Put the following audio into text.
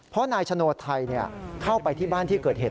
เพราะนายชโนไทยเข้าไปที่บ้านที่เกิดเหตุ